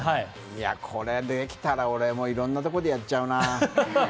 これできたらいろんなところでやっちゃうな。